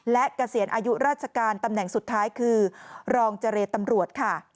และเกษียณอายุราชการตำแหน่งสุดท้ายคือรองเจรตำรวจค่ะ